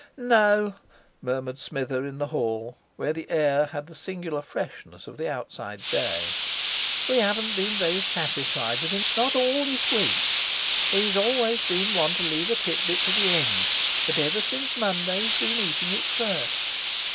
"No," murmured Smither in the hall, where the air had the singular freshness of the outside day, "we haven't been very satisfied with him, not all this week. He's always been one to leave a titbit to the end; but ever since Monday he's been eating it first.